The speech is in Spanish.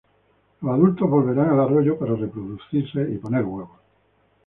Los adultos volverán al arroyo para reproducirse y poner huevos.